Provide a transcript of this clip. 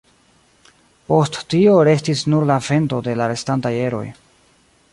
Post tio restis nur la vendo de la restantaj eroj.